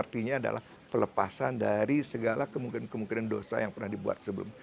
artinya adalah pelepasan dari segala kemungkinan kemungkinan dosa yang pernah dibuat sebelum